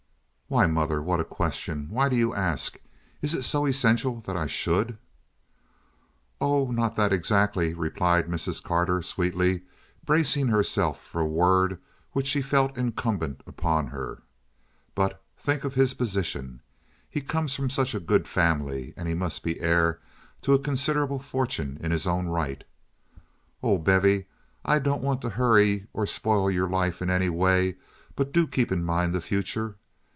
"Why, mother, what a question! Why do you ask? Is it so essential that I should?" "Oh, not that exactly," replied Mrs. Carter, sweetly, bracing herself for a word which she felt incumbent upon her; "but think of his position. He comes of such a good family, and he must be heir to a considerable fortune in his own right. Oh, Bevy, I don't want to hurry or spoil your life in any way, but do keep in mind the future.